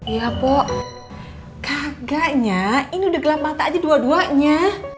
ya pok kakaknya ini udah gelap mata aja dua duanya